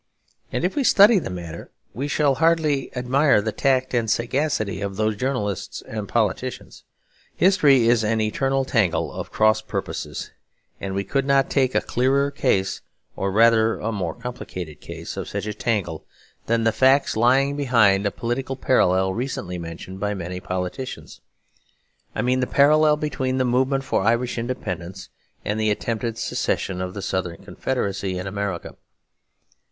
And if we study the matter, we shall hardly admire the tact and sagacity of those journalists and politicians. History is an eternal tangle of cross purposes; and we could not take a clearer case, or rather a more complicated case, of such a tangle, than the facts lying behind a political parallel recently mentioned by many politicians. I mean the parallel between the movement for Irish independence and the attempted secession of the Southern Confederacy in America.